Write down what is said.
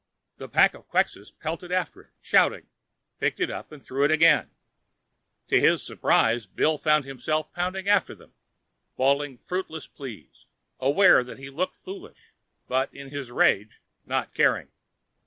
The pack of Quxas pelted after it, shouting, picked it up and threw again. To his surprise, Bill found himself pounding after them, bawling fruitless pleas, aware that he looked foolish, but, in his rage, not caring.